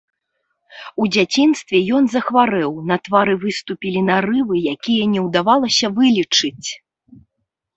У дзяцінстве ён захварэў, на твары выступілі нарывы, якія не ўдавалася вылечыць.